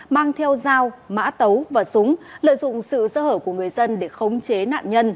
mang theo dao mã tấu và súng lợi dụng sự sơ hở của người dân để khống chế nạn nhân